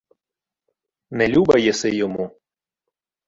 — Не люба єси йому.